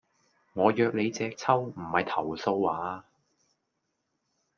我約你隻揪,唔係投訴呀